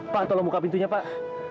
pak tolong buka pintunya pak